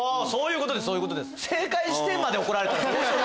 そういうことです！